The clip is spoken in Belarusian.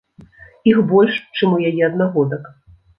Іх больш, чым у яе аднагодак.